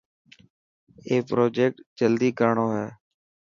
اي پرجيڪٽ جلدي ڪرڻو هي.